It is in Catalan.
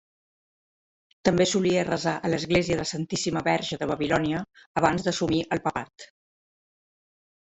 També solia resar a l'església de la Santíssima Verge de Babilònia abans d'assumir el papat.